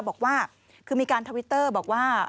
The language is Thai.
บอกว่าคือมีการทวิตเตอร์บอกว่า